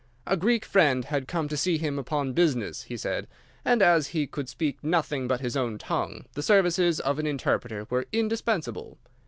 A Greek friend had come to see him upon business, he said, and as he could speak nothing but his own tongue, the services of an interpreter were indispensable.